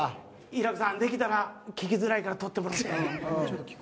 平子さん、できたら聞きづらいから取ってもらって。